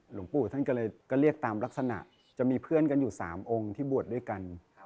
หลวงปู่ท่านก็เลยก็เรียกตามลักษณะจะมีเพื่อนกันอยู่๓องค์ที่บวชด้วยกัน